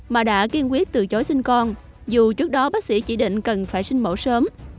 mà đã kiên quyết từ chối sinh con dù trước đó bác sĩ chỉ định cần phải sinh mẫu sớm